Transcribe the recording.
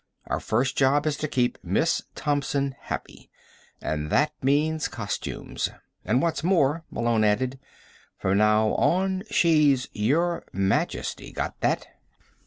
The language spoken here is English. Our first job is to keep Miss Thompson happy. And that means costumes. And what's more," Malone added, "from now on she's 'Your Majesty'. Got that?"